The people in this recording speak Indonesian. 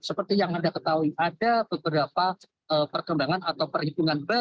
seperti yang anda ketahui ada beberapa perkembangan atau perhitungan